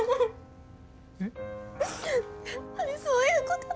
やっぱりそういうことなんだよ。